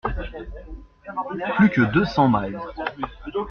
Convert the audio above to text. Plus que deux cents miles.